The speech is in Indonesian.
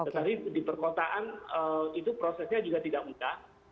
tetapi di perkotaan itu prosesnya juga tidak mudah